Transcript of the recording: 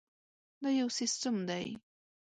دا یو سیسټم دی.